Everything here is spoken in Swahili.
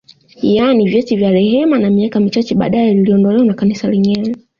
Yaani vyeti vya rehema na miaka michache baadae liliondolewa na Kanisa lenyewe